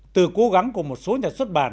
từ cố gắng của một số nhà xuất bản